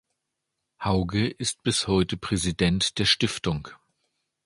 Hauge ist bis heute Präsident der Stiftung.